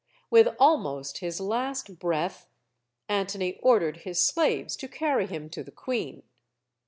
With almost his last breath, Antony ordered his slaves to carry him to the queen.